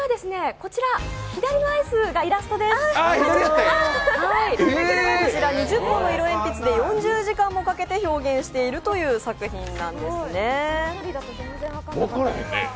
こちら２０本の色えんぴつで４０時間もかけて表現しているという作品なんですね。